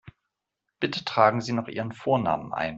Bitte tragen Sie noch Ihren Vornamen ein.